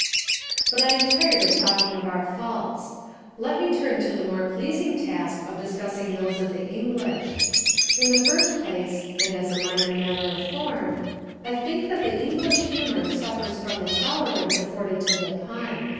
But I am tired of talking of our faults. Let me turn to the more pleasing task of discussing those of the English. In the first place, and as a minor matter of form, I think that English humour suffers from the tolerance afforded to the pun.